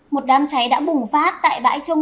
một đám cháy đã bùng phát tại bãi trông